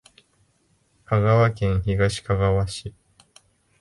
香川県東かがわ市